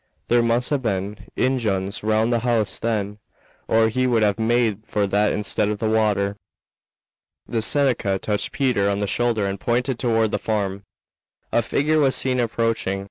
There must have been Injuns round the house then, or he would have made for that instead of the water." The Seneca touched Peter on the shoulder and pointed toward the farm. A figure was seen approaching.